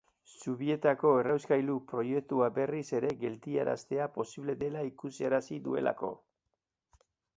Zubietako errauskailu proiektua berriz ere geldiaraztea posible dela ikusarazi duelako.